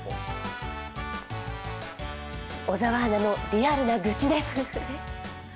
小沢アナのリアルな愚痴です。